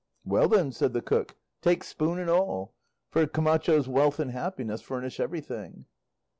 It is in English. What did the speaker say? "Well then," said the cook, "take spoon and all; for Camacho's wealth and happiness furnish everything."